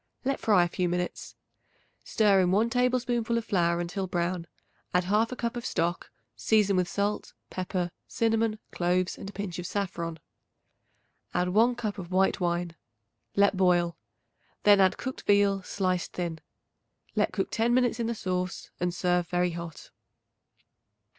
Let fry a few minutes. Stir in 1 tablespoonful of flour until brown; add 1/2 cup of stock; season with salt, pepper, cinnamon, cloves and a pinch of saffron. Add 1 cup of white wine; let boil; then add cooked veal sliced thin. Let cook ten minutes in the sauce and serve very hot.